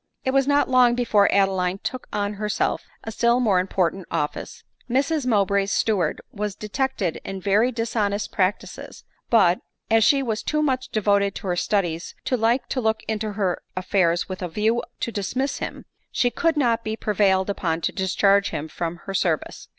It was not long before Adeline took on herself a still more important office. Mrs Mowbray's steward was detected in very dishonest practices ; but, as she was too much devoted to her studies to like to look into her affairs with a view to dismiss him, she could not be prevailed upon to discharge him from her service.